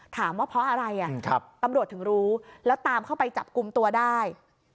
ถามว่าเพราะอะไรตำรวจถึงรู้แล้วตามเข้าไปจับกลุ่มตัวได้